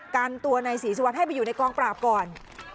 กันตัวในศรีสุวรรณให้ไปอยู่ในกองปราบก่อน